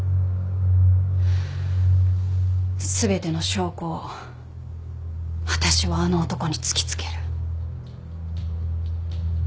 全ての証拠を私はあの男に突き付ける。